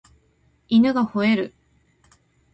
犬が吠える